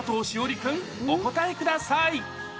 君、お答えください。